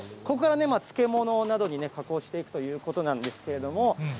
ここから漬物などに加工していくということなんですけれども。